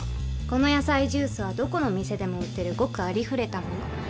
この野菜ジュースはどこの店でも売ってるごくありふれたもの。